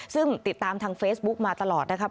ซึ่งติดตามทางเฟซบุ๊กมาตลอดนะครับ